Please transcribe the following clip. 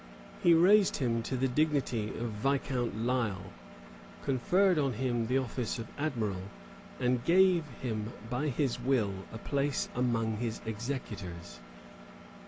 He raised him to the dignity of Viscount Lisle, conferred on him the office of admiral, and gave him by his will a place among his executors.